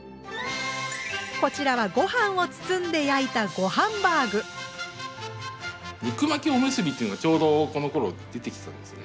こちらはご飯を包んで焼いた肉巻きおむすびというのがちょうどこのころ出てきたんですね。